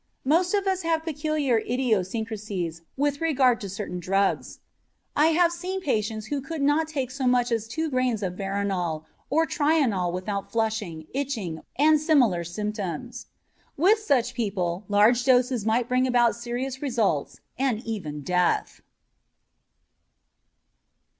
Most of us have peculiar idiosyncrasies with regard to certain drugs. I have seen patients who could not take so much as two grains of veronal or trional without flushing, itching, and similar symptoms. With such people large doses might bring about serious results and even death.